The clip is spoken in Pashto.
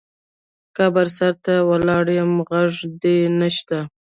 قبر سرته دې ولاړ یم غږ دې نه شــــته